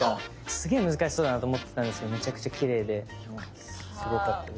すげえ難しそうだなと思ってたんですけどめちゃくちゃきれいですごかったです。